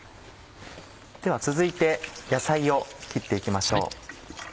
では続いて野菜を切って行きましょう。